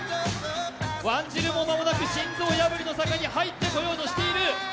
ワンジルも間もなく心臓破りの坂に入ってこようとしている。